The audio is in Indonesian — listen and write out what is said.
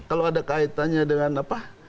kalau ada kaitannya dengan apa